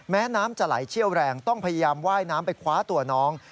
น้ำจะไหลเชี่ยวแรงต้องพยายามว่ายน้ำไปคว้าตัวน้อง